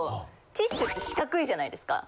ティッシュって四角いじゃないですか。